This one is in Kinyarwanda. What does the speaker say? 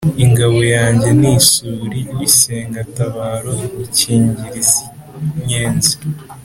ingabo yanjye ni isuli, isengatabaro ikingira iz'inkenzi,